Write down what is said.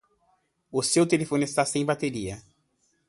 O seu telefone está sem bateria.